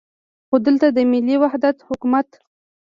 خو دلته د ملي وحدت حکومت.